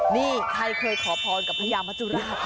นี่ใครเคยขอพรกับพญามัจจุราช